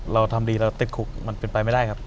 เราทำดีเราติดคุกมันเป็นไปไม่ได้ครับ